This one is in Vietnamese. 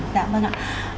dạ vâng ạ